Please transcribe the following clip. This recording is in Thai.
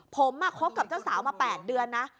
ผมคบกับเจ้าสาวมา๘เดือนนะ